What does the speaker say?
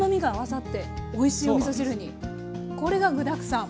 これが具だくさん。